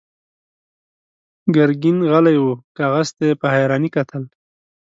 ګرګين غلی و، کاغذ ته يې په حيرانۍ کتل.